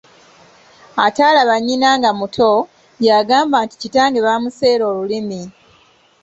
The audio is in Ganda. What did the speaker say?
Ataalaba nnyina nga muto, yagamba nti kitange baamuseera olulimi.